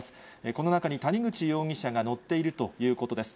この中に谷口容疑者が乗っているということです。